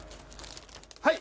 はい！